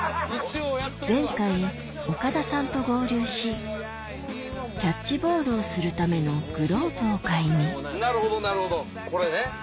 前回岡田さんと合流しキャッチボールをするためのグローブを買いになるほどなるほどこれね。